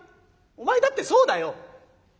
お前だってそうだよ。